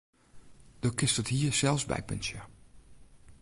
Do kinst it hier sels bypuntsje.